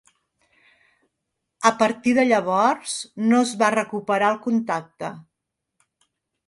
A partir de llavors no es va recuperar el contacte.